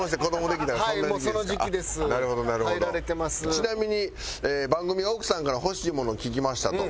ちなみに番組が奥さんから欲しいものを聞きましたと。